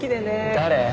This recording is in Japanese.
誰？